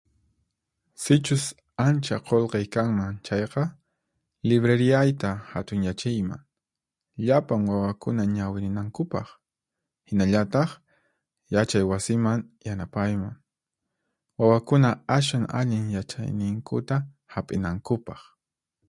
Sichus ancha qullqiy kanman chayqa, libreriyayta hatunyachiyman, llapan wawakuna ñawirinankupaq. Hinallataq, yachay wasiman yanapayman, wawakuna ashwan allin yachayninkuta hap'inankupaq.